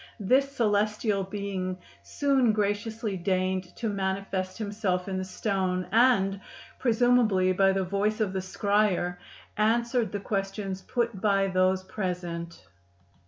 This celestial being soon graciously deigned to manifest himself in the stone and—presumably by the voice of the scryer—answered the questions put by those present.